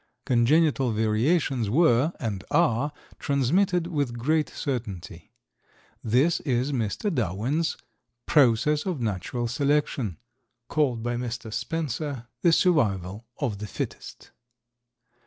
Congenital variations were (and are) transmitted with great certainty. This is Mr. Darwin's "Process of Natural Selection," called by Mr. Spencer "The Survival of the Fittest."